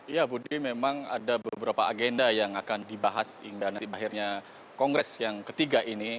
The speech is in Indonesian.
ya budi memang ada beberapa agenda yang akan dibahas hingga nanti akhirnya kongres yang ketiga ini